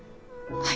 はい！